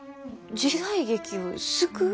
時代劇を救う？